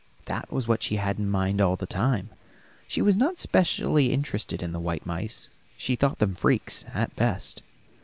That was what she had in mind all the time. She was not specially interested in white mice; she thought them freaks, at best.